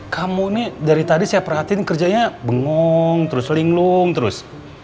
kamu nih dari tadi saya perhatiin kerjanya bengong terus linglung terus